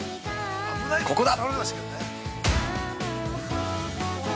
ここだ！